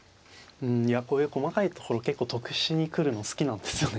うんいやこういう細かいところ結構得しに来るの好きなんですよね